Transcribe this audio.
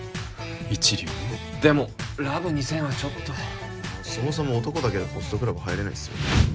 一流ねえでもラブ２０００はちょっとそもそも男だけでホストクラブ入れないっすよ